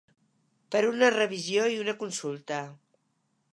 Per una revisió i una consulta.